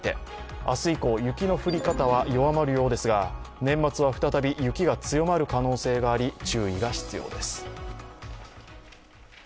明日以降、雪の降り方は弱まるようですが、年末は再び雪が強まる可能性があり注意が必要です。